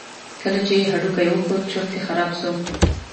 کله چې یې هډوکی وکوت چورت یې خراب شو.